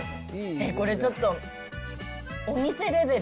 えっ、これちょっと、お店レベル。